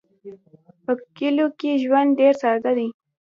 په کلیو کې ژوند ډېر ساده دی.